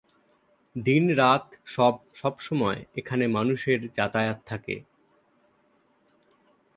দিন রাত সব সবসময় এখানে মানুষের যাতায়াত থাকে।